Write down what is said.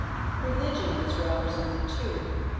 Religion is represented, too.